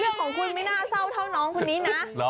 เรื่องของคุณไม่น่าเศร้าเท่าน้องคนนี้นะ